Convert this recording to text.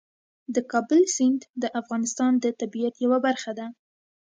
د کابل سیند د افغانستان د طبیعت یوه برخه ده.